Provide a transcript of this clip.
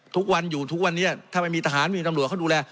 ทุกวันอยู่ทุกวันนี้ถ้าไม่มีทหารมีตำรวจเขาดูแล